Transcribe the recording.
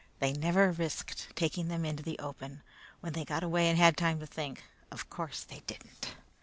They never risked taking them into the open, when they got away and had time to think. Of course they didn't!